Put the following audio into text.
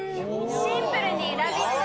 シンプルにラヴィット！